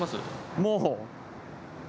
もう。